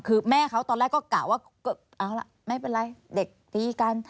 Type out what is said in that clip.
คือแม่เขาตอนแรกก็กะว่าเอาล่ะไม่เป็นไรเด็กตีกัน